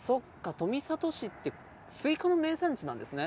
富里市ってスイカの名産地なんですね。